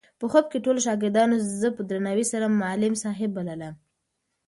په خوب کې ټولو شاګردانو زه په درناوي سره معلم صاحب بللم.